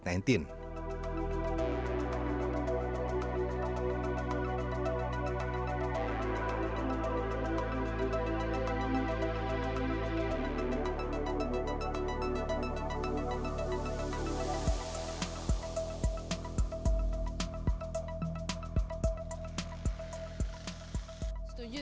pertanyaan dari pemprov dki jakarta